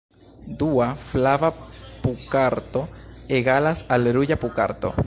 Dua flava punkarto egalas al ruĝa punkarto.